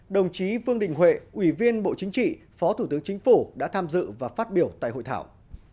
đồng chí vương đình huệ ủy viên bộ chính trị phó thủ tướng chính phủ đã tham dự và phát biểu tại hội thảo